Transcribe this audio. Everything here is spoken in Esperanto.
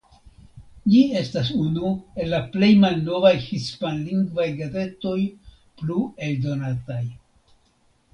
Ĝi estas unu el la plej malnovaj hispanlingvaj gazetoj plu eldonataj.